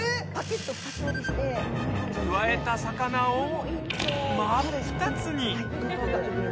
くわえた魚を真っ二つに。